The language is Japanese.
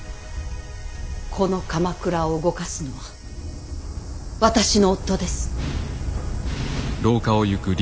この鎌倉を動かすのは私の夫です。